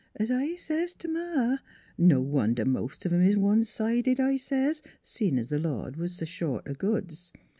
Es I says t' Ma, ' t No wonder most of 'em is one sided,' I says, * seein' th' Lord was s' short o' goods.'